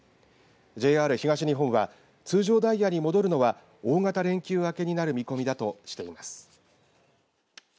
ＪＲ東日本は通常ダイヤに戻るのは大型連休明けになる見込みだとしています。